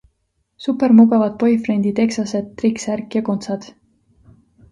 Supermugavad boyfriend'i-teksased, triiksärk ja kontsad?